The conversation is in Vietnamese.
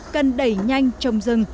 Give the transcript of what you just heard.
cần đẩy nhanh trong rừng